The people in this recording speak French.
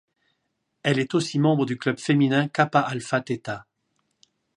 Elle est aussi membre du club féminin Kappa Alpha Theta.